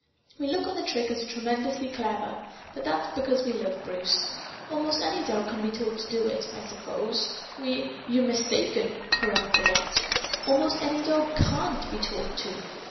We look on the trick as tremendously clever. But that's because we love Bruce. Almost any dog can be taught to do it, I suppose. We " "You're mistaken!" corrected the guest. "Almost any dog CAN'T be taught to.